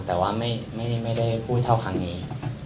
แต่ว่าไม่ได้พูดเท่าครั้งนี้